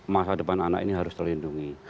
masa depan anak ini harus terlindungi